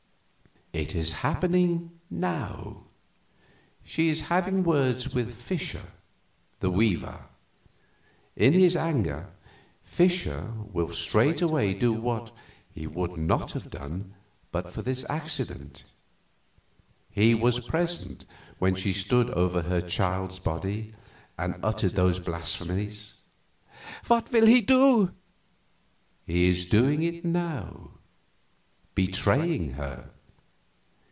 "It is happening now. She is having words with Fischer, the weaver. In his anger Fischer will straightway do what he would not have done but for this accident. He was present when she stood over her child's body and uttered those blasphemies." "What will he do?" "He is doing it now betraying her.